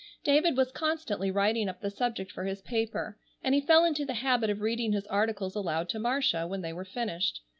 David was constantly writing up the subject for his paper, and he fell into the habit of reading his articles aloud to Marcia when they were finished.